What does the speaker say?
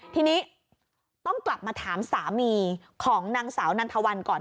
ทีนี้ต้องกลับมาถามสามีของนางสาวนันทวันก่อน